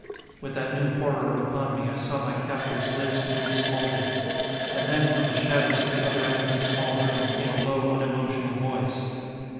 With that new horror upon me, I saw my captor's lips move slowly.... And then, from the shadows at the other end of the small room, came a low, unemotional voice.